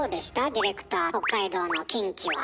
ディレクター北海道のキンキは。